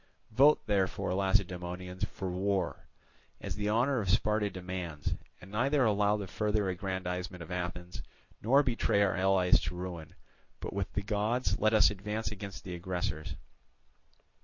Vote therefore, Lacedaemonians, for war, as the honour of Sparta demands, and neither allow the further aggrandizement of Athens, nor betray our allies to ruin, but with the gods let us advance against the aggressors."